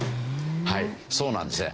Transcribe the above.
はいそうなんですね。